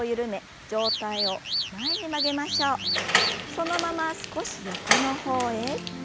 そのまま少し横の方へ。